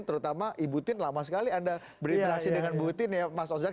terutama ibu tien lama sekali anda berinteraksi dengan ibu tien ya mas osdar